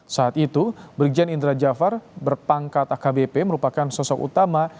saat itu brigjen indra jafar berpangkat akbp merupakan sosok utama